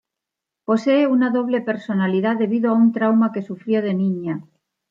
Posee una doble personalidad debido a un trauma que sufrió de niña.